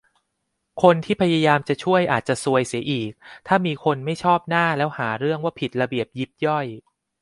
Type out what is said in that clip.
คนที่พยายามจะช่วยอาจจะซวยเสียอีก ถ้ามีคนไม่ชอบหน้าแล้วหาเรื่องว่าผิดระเบียบยิบย่อย